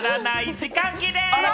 時間切れ！